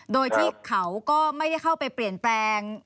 โดยที่เขาก็ไม่ได้เข้าไปเปลี่ยนแปลง